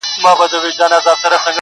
• راسه چي زړه ښه درته خالي كـړمـه.